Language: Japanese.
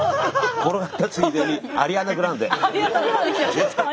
転がったついでにアリアナ・グランデ。